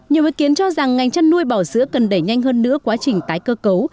nhiều ý kiến cho rằng ngành chăn nuôi bò sữa cần đẩy nhanh hơn nữa quá trình tái cơ cấu